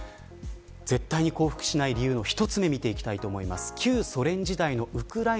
絶対に降伏しない理由の１つ目を見ていきます。